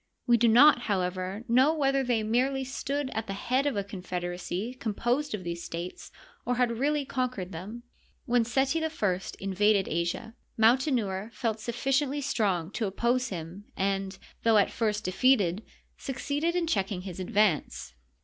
We do not, however, know whether they merely stood at the head of a confederacy composed of these states, or had really conquered them. When Seti I invaded Asia. Mautenouer felt sufficiently strong to oppose him, and, though at first defeated, succeeded in checking his advance.